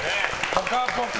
「ぽかぽか」